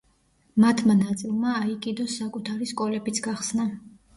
მათმა ნაწილმა აიკიდოს საკუთარი სკოლებიც გახსნა.